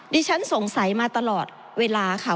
ดิฉันสงสัยมาตลอดเวลาค่ะ